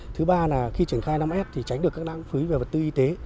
thứ ba là khi triển khai năm s thì tránh được các năng phúy về vật tư y tế